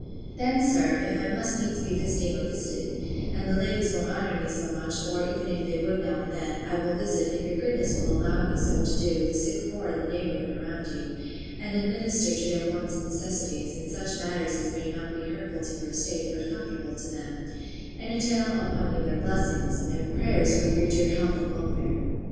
Then, sir, if I must needs be visiting or visited, and the ladies won't honour me so much, or even if they would now and then, I will visit, if your goodness will allow me so to do, the sick poor in the neighbourhood around you; and administer to their wants and necessities, in such matters as may not be hurtful to your estate, but comfortable to them; and entail upon you their blessings, and their prayers for your dear health and welfare.